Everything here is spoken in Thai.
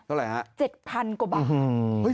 เท่าไรครับ๗๐๐๐กว่าบาท